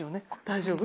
大丈夫？